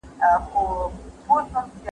بهرنی سیاست د هیواد د اقتصاد ستون فقرات دی.